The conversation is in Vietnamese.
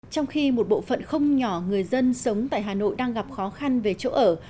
trong khi một bộ phận không nhỏ người dân sống tại hà nội đang gặp khó khăn về chỗ ở